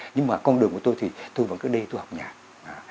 nhưng mà con đường của tôi thì tôi vẫn cứ đi tôi học nhạc